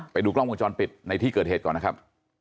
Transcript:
ไปดูกล้องวงจรปิดในที่เกิดเหตุก่อนนะครับ